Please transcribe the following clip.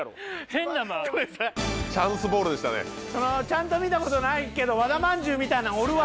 変な間。ちゃんと見たことないけど和田まんじゅうみたいなのおるわ。